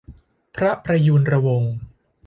พระประยูรวงศ์